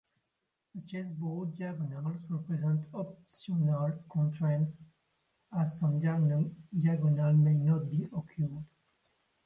The chessboard diagonals represent optional constraints, as some diagonals may not be occupied.